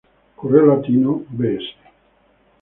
Correo Latino, Bs.